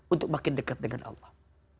untuk makin dekat dengan allah